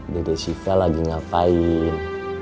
dede syifa lagi ngapain